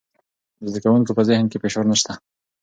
د زده کوونکو په ذهن کې فشار نشته.